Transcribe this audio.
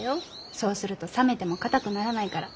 そうすると冷めてもかたくならないから。